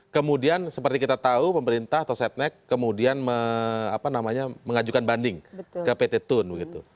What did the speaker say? kemudian seperti kita tahu pemerintah atau setnek kemudian mengajukan banding ke pt tun